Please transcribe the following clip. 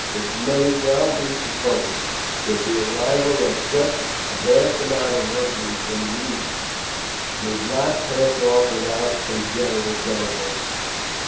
It may well be supposed that the arrival of such a vast amount of luxuries from the East did not pass off without a general celebration.